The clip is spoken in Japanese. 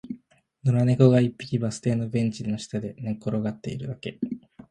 野良猫が一匹、バス停のベンチの下で寝転がっているだけ